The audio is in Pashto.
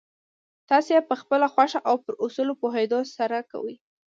تاسې يې پخپله خوښه او پر اصولو په پوهېدو سره کوئ.